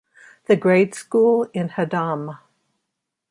The grade school in Haddam.